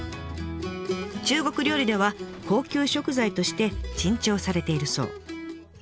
中国料理では高級食材として珍重されているそう。